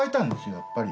やっぱり。